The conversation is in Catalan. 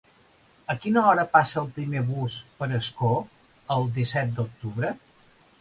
A quina hora passa el primer autobús per Ascó el disset d'octubre?